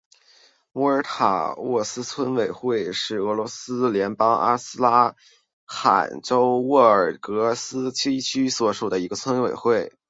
穆尔塔诺沃村委员会是俄罗斯联邦阿斯特拉罕州沃洛达尔斯基区所属的一个村委员会。